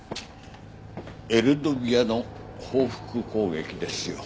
エルドビアの報復攻撃ですよ。